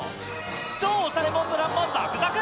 超おしゃれモンブランも続々！